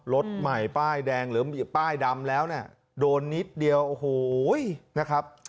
รถใหม่ป้ายแดงหรือมีป้ายดำแล้วเนี่ยโดนนิดเดียวโอ้โหนะครับ